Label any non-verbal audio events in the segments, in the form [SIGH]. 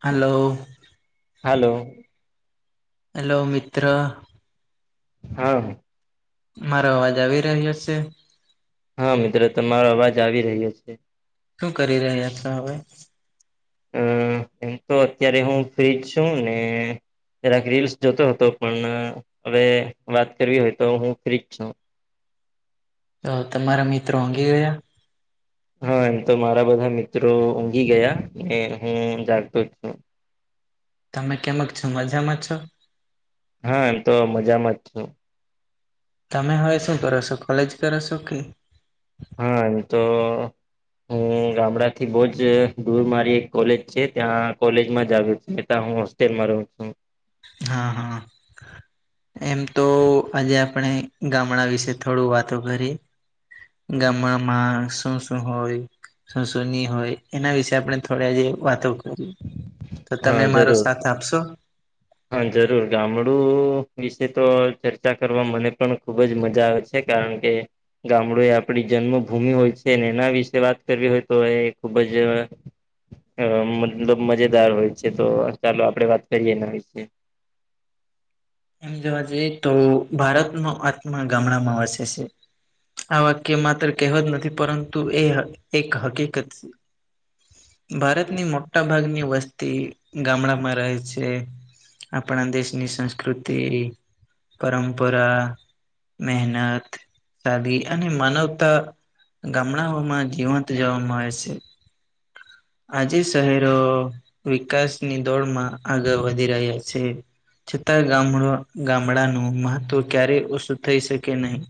Hello hello hello મિત્ર હા હા મારો અવાજ આવી રહ્યો હ છે હા મિત્રો તમારો અવાજ આવી રહ્યો છે શું કરી રહ્યા છો હવે અ એમ તો અત્યારે હું ફ્રીજ છું ને જરાક રીલ્સ જોતો હતો પણ હવે વાત કરવી હોય તો હું ફ્રીજ છું તમારા મિત્રો ઉઘી ગયા હા એમ તો મારા બધા મિત્રો ઊંઘી ગયા હું જાગતો જ છું તમે કેમ છો મજામાં છો હા તો મજામાં જ છ તમે હવે શું કરો છો કોલેજ કરો છો કે હા એ તો હું ગામડા થી બહુ જ દૂર મારી એક કોલેજ છે ત્યાં કોલેજ માં જ આવ્યો છતા હું તે મારે હા હા એમ તો આજે આપણે ગામડા વિશે થોડું વાતો કરી ગામડામાં શું શું હોય શસોની હોય એના વિશે આપણે થોડી જે વાતો કરીએ હા જરૂર [INAUDIBLE] હા જરૂર ગામડું વિશે તો ચર્ચા કરવા મને પણ ખુબ જ મજા આવે છે છે કારણ કે ગામડું એ આપણી જન્મભૂમિ હોય છે એના વિશે વાત કરવી હોય તો એ ખુબ જ મતલબ મજેદાર હોય છે તો ચાલો આપડે વાત કરીએના વિશે એમ જોવા જઈએ તો ભારતનો આત્મા ગામડામાં વસે છે આ વાક્ય માત્ર કહેવતજ નથી પરંતુ એ એક હકીકત છે ભારતની મોટા ભાગની વસ્તી ગામડામાં રહે છે આપણા દેશની સંસ્કૃતિ પરંપરા મહેનત શદી અને માનવતા ગામડાઓમાં જીવંત જોવા મળે આવે છે આજે શહેરો વિકાસની દોડમાં આગળ વધી રહ્યા છે છતાં ગામડ ગામડાનું મહત્વ ક્યારેય ઓછું થઈ શકે નહીં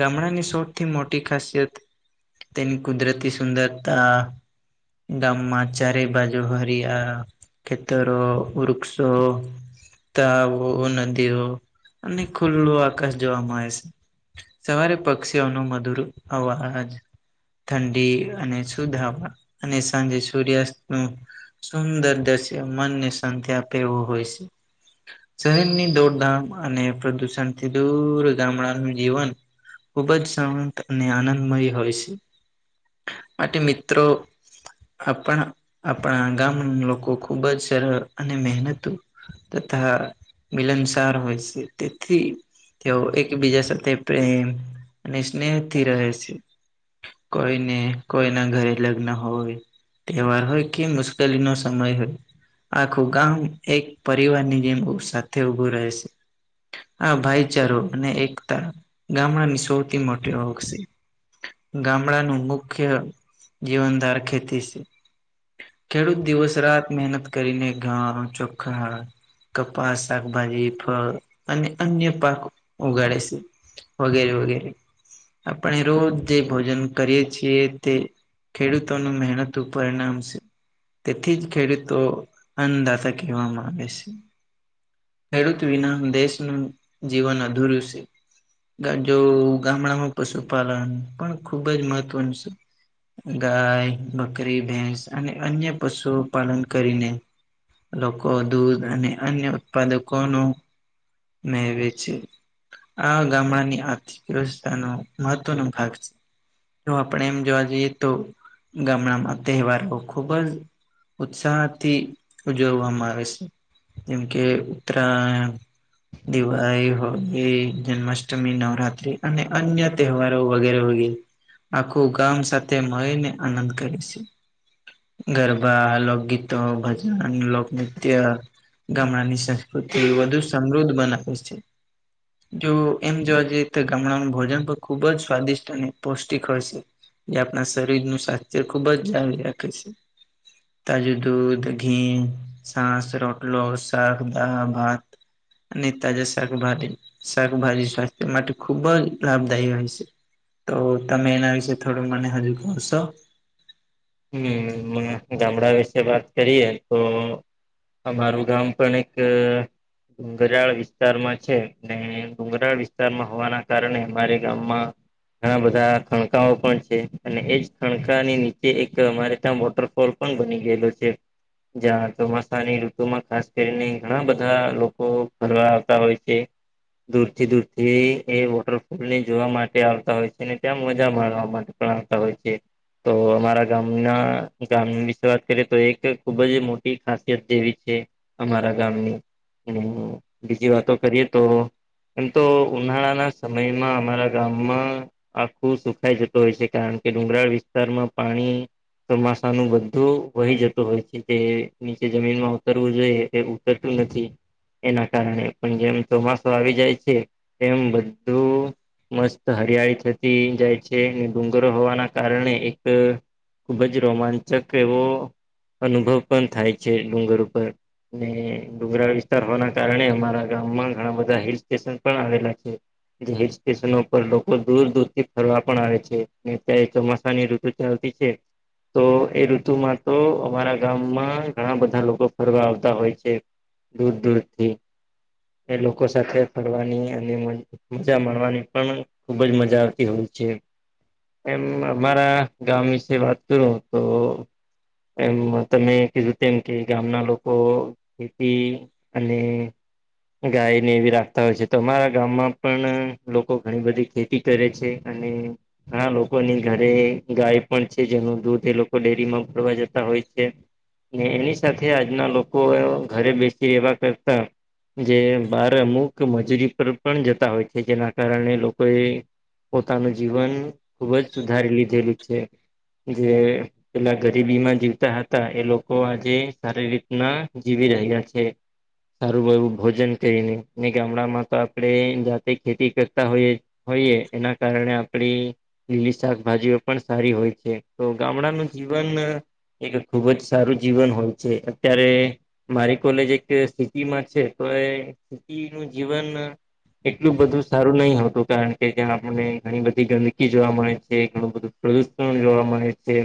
ગામડાની સૌથી મોટી ખાસિયત તેની કુદરતી સુંદરતા ગામમા ચારે બાજુહરીયા ખેતરો વૃક્ષો તાળાવો નદીઓ અને ખુલ્લો આકાશ જોવા મળે છે સવારે પક્ષીઓનો મધુર અવાજ ઠંડી અને શુદ્ધાહવા અને સાંજે સૂર્યાસ્ત નું સુંદર દર્શય મનને શાંતિ આપે એવું હોય છે શહેરની દોડધામ અને પ્રદૂષણથી દૂર ગામડાનું જીવન ખૂબ જ શાંત અને આનંદમય હોય છે માટે મિત્રો આપણા આપણા ગામ લોકો ખુબ જ સરળ અને મહેનત તથ મિલનસાર હોય છે તેથી તેઓ એકબીજા સાથે પ્રેમ અને સ્નેહથી રહે છે કોઈને કોઈના ઘરે લગ્ન હોય તહેવાર હોય કે મુશ્કેલી નો સમય હોય આખું ગામ એક પરિવાર ની જેમ સાથે ઉભું રહે છે આ ભાઈચારો અને એકતા ગામડાની સૌથી મોટી હોક છે ગામડાનું મુખ્ય જીવનદાર ખેતી છે ખેડૂત દિવસ રાત મહેનત કરીને ઘવાનું ચોખ્ખા હ કપાસ શાકભાજી ફળ અને અન્ય પાક ઉગાડે છે વગેરે વગેરે આપણે રોજ જે ભોજન કરીયએ છીએ તે ખેડૂતોનું મહેનત પરિણામ છે તેથી જ ખેડૂતો અંધાતા એમાં માગશે ખેડૂત વિના દેશનું જીવન અધૂરું છે જો ગામડામાં પશુપાલન પણ ખુબ જ મહત્વનું છે ગાય બકરી ભેસ અને અન્ય પશુઓ પાલન કરીને લોકો દૂધ અને અન્ય ઉત્પાદકો ન મેળવે છે આ ગામડાની આર્થિક વ્યવસ્થાનો મહત્વનોો ભાગ છે જો આપણે એમ જોવા જઈએ તો ગામડામાં તહેવારો ખુબ જ ઉત્સાહથી ઉજવવામાં આવે છે જેમકે ઉત્તરાયણ દિવાળી હોલી જન્માષ્ટમી નવરાત્રી અને અન્ય તહેવારો વગેરે વગેરે આખું ગામ સાથે મળીને આનંદ કરે છે ગરબા લોકગીતો ભજ લોકનૃત્ય ગામડાની સંસ્કૃતિ વધુ સમૃદ્ધ બનાવે છે [INAUDIBLE] જો એમ જોવા જઈ તો ગામડાનું ભોજન પણ ખુબ જ સ્વાદિષ્ટ અને પૌષ્ટિક હોય છે જે આપણા શરીર નું સ્વાસ્થ્ય ખુબ જ જાળ રાખે છે તાજું દૂધ ઘી શસ રોટલો શાક દા ભત અનેને તજા શક ભાલી શાકભાજી સ્વાસ્થ્ય માટે ખુબ જ લાભદાયી હોય છે તો તમે એના વિશે થોડું મને હજુ પશો હમ ગામડા વિશે વાત કરીએ તો અમારું ગામ પણ એક ડુંગરાળ વિસ્તારમાં છે ડુંગરાળ વિસ્તારમાં હોવાના કારણે મારે ગામમાં ઘણા બધા ખણકાઓ પણ છે અને એજ ખણકાની ની તે એક અમારે ત્યાં વોટરફોલ પણ બની ગયેલો છે જ ચોમાસાની ઋતુમાં ખાસ કરીને ઘણા બધા લોકો ફરવા આવતા હોય છે દૂર થી દૂરથી એ વોટરફોલ ને જોવા માટે આવતા હોય છે ને ત્યાં મજા માવા માટે આવતા હોય છે તો અમા આપણા ગામના ગામ વિશે વાત કરીએ તો એક ખુબ જ મોટી ખાસિયત જેવી છે અમારા ગામની અને બીજી વાતો કરીએ તો એમ તો ઉનાળાના સમયમાં અમારા ગામમાં આખું સુખાઈ જતું હોય છે કારણ કે ડુંગરાળ વિસ્તારમાં પાણી ચોમાસાનુંું બધું વહી જતું હોય છે જે નીચે જમીનમાં ઉતરવું જોઈએ એ ટલ નથી એના કારણે પણ જેમ ચોમાસું આવી જાય છે એમ બધું મસ્ત હરિયાળી થતી જાય છે ડુંગરો હોવાના કારણે ખુબ જ રોમાંચક એવો અનુભવ પણ થાય છે ડુંગર ઉપર અને ડગરા વિસ્તાર હોવાના કારણે અમારા ગામમાં ઘણા બધા હિલ સ્ટેશન પણ આવેલા છે જે હિલ સ્ટેશનો પર લોકો દૂર દૂર થી ફરવા પણ આવે છે ત ચોમાસાની ઋતુ ચથી છે તો એ ઋતુમાં તો અમારા ગામમાં ઘણા બધા લોકો ફરવા આવતા હોય છે દૂર દૂરથી એ લોકો સાથે ફગવાની અને મ મજા માણવાની પણ ખુબ જ મજા આવતી હોય છે એમ અમારા ગામ વીસે વાત કરું તો એમ તમે કીધું તેમ કે ગામના લોકો ખેતી અને ગાય ને એવી રાખતા હોય છે તો અમારા ગામમાં પણ લોકો ઘણી બધી ખેતી કરે છે અને ઘણા લોકોની ઘરે ગાય પણ છે જેનું દૂધ એ લોકો ડેરીમાં ભરવા જતા હોય છે ને એની સાથે આજના લોકો ઘરે બેસી રહેેવા કરતા જે બાર અમુક મજૂરી પર પણ જતા હોય છે જેના કારણે લોકો એ પોતાનું જીવન ખુબ જ સુધારી લીધેલું છે જે પેલા ગરીબીમાં જીવતા હતા એ લોકો આજે સારી રીતના જીવી રહ્યા છે સારું એવું ભોજન કરીને ગામડામાં તો આપણે જાતે ખેતી કરતા હોઈએ હોઈએ એના કારણે આપડી લીલી શાકભાજી પણ સારી હોય છે તો ગામડાનું જીવન એક ખૂબ જ સારું જીવન હોય છે અત્યારે મારી કોલેજ એક સિટીમાં છે તો સ નું જીવન એટલું બધું સારું નહિ હોતું કારણ કે જ્યાં આપણને ઘણી બધી ગંદકી જોવા મળે છે ઘણું બધું પ્રદૂષણ જોવા મળે છે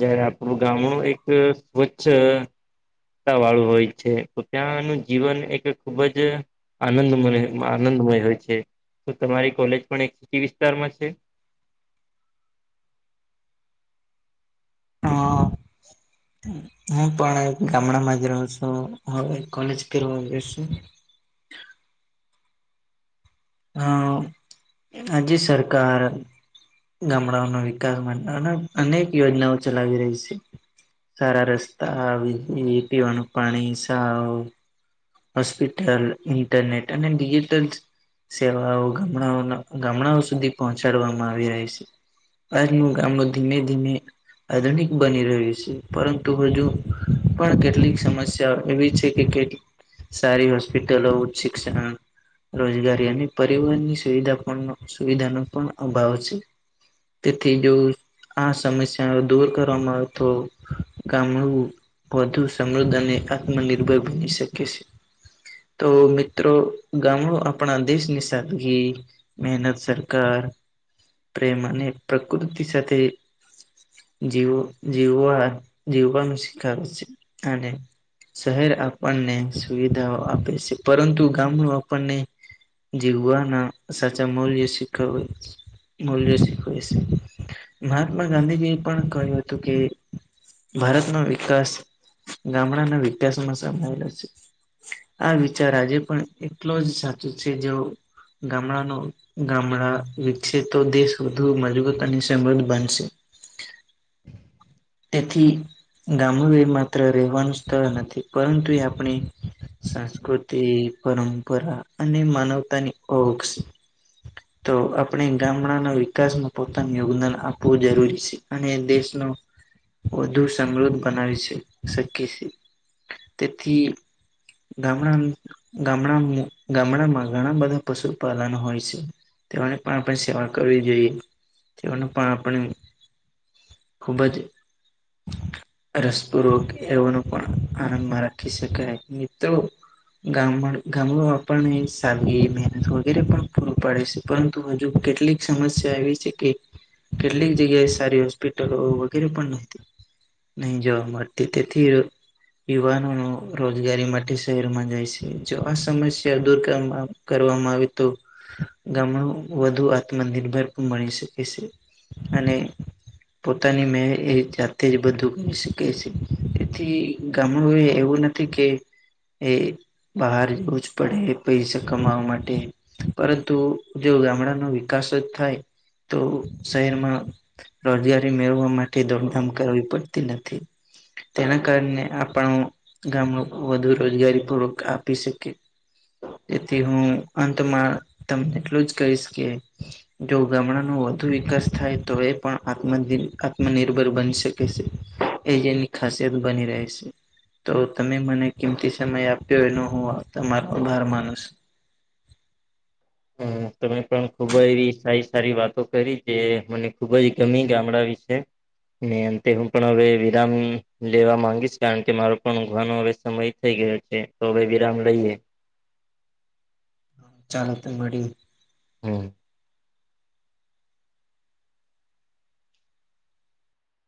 જયારે આપણું ગામ ન એક સ્વચ્છ વાળું હોય છે તો ત્યાંનું જીવન એક ખૂબ જ આનંદ આનંદમય હોય છે તો તમારી કોલેજ પણ એકિ વિસ્તારમાં છે હા હું પણ ગામડામાં જ રહું છું હવે કોલેજ કરવા જશે હા આજ્ય સરકાર ગામડાઓનો વિકાસ માટે અનેક યોજનાઓ ચલાવી રહી છે સારા રસ્તા પીવાનું પાણી સા હોસ્પિટલ ઇન્ટરનેટ અને ડિજિટલ સેવાઓ ગામડાઓના ગામડાઓ સુધી પહોંચાડવામાં આવી રહી છે આપનું ગામનો ધીમે ધીમે આધુનિક બની રહ્યું છે પરંતુ હજુ પણ કેટલીક સમસ્યાઓ એવી છે કે કે સારી હોસ્પિટલો ઉચ્ચ શિક્ષણ રોજગારી અને પરિવહનની સુવિધા સુવિધાનો પણ અભાવ છે તિથી જોસ આ સમસ્યા દૂર કરવામાં આવે તો ગામડું વધુ સમૃદ્ધ અને આત્મનિર્ભર બની શકે છે તો મિત્રો ગામડો આપણા દેશની સાદગી મહેનત સરકાર પ્રેમ અને પ્રકૃતિ સાથે જીવ જીવા જીવા મશિક વ છે હે શહેર આપણને સુવિધાઓ આપે છે પરંતુ ગામનુંું આપણને જેવવા ના સાચા મૌલ્ય સીખવેય છે બલ શીખ છે મહાત્મા ગાંધીજી એ પણ કહ્યું હતું કે ભારતનો વિકાસ ગામડાના વિકાસમાં સમાયેલો છે આ વિચાર આજે પણ એટલો જ સાચું છે જે ગામડાનો ગામડા વસે તો દેશ વધુ મજબૂત અને સમૃદ્ધ બનશે તેથી ગામડું એ માત્ર રહેવાનું સ્થળ નથી પરંતુ એ આપણે સંસ્કૃતિ પરંપરા અને માનવતાની ઓક્ષ તો આપણે ગામડાના વિકાસમાં પોતાનું યોગદાન આપવું જરૂરી છે અને દેશનો વધુ સમૃદ્ધ બનાવી શ શકી છેએ તેથી ગામડા ગામ ગામડામાં ઘણા બધા પશુપાલન હોય છે તેઓની પણ પણ સેવા કરવી જોઈએ તેઓનું પણ આપણે ખુબ જ રસપ રગ એવાનું પણ આનંદમાં રાખી શકાય મિત્રો. ગામ ગામડું આપણને સારી મહેનત વગેરે પણ પૂરું પાડે છે પરંતુ હજુ કેટલીક સમસ્યા એ છે કે કેટલીક જગ્યાએ સારી હોસ્પિટલો વગેરે પણ ન નહી જોવા મળતી તેથી યુવાનો ન રોજગારી માટે શહેરોમાં જાય છે જો આ સમસ્યા દૂર કરવાવામાં કરવામાં આવે તો ગામડું વધુ આત્મનિર્ભર પણ મળણી શકે છે. અને પોતાની મેં એ જાતે જ બધું કરી શીખે છે તેથી ગામડું એવું નથી કે એ બહાર જવું જ પડે પૈસા કમાવા માટે પરંતુ જો ગામડાનો વિકાસ જ થાય. તો શહેરમાં રોજગારી મેળવા માટે દોડધામ કરવી પડતી નથી તેના કારણે આપણે ગામ લોકો વધુ રોજગારી પૂર્વક આપી શકે તેથી હું અંત માં તમને એટલું જ કહીશ કે જો ગામડાનો વધુ વિકાસ થાય તો એ પણ આત્મ આત્મનિર્ભર બનશે એ જેની ખાસિયત બની રહે છે. તો તમે મને કિમતી સમય આપ્યો એનો હું તમારો ભાર માનુ શું. હ હમ [UNINTELLIGIBLE] તમે પણ ખૂબ જ એવી સારી સારી વાતો કરી જે મને ખુબ જ ગમી ગામડા વિશે અંતે હું પણ હવે વિરામ લેવા માંગીશ કારણ કે મારો પણ ઉઘવાનો હવે સમય થઈ ગયો છે તો ભાઈ વિરામ લઈલે. ચાલ તો મળી‌. હમ